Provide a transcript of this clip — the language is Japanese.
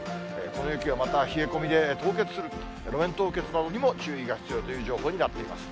この雪がまた冷え込みで凍結する、路面凍結などにも、注意が必要という情報になっています。